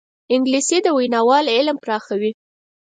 انګلیسي د ویناوال علم پراخوي